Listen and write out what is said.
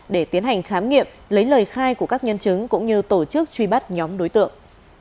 để tiến hành khám nghiệm lấy lời khai của các nhân chứng cũng như tổ chức truy bắt nhóm đối tượng